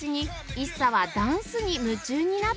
ＩＳＳＡ